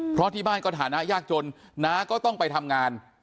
เพราะที่บ้านก็ฐานะยากจนน้าก็ต้องไปทำงาน